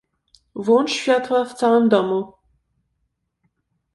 Włącz światła w całym domu.